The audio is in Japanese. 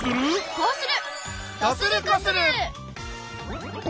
こうする！